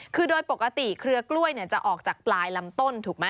คือโดยปกติเขลือกล้วยจะออกจากปลายลำต้น